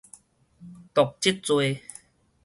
瀆職罪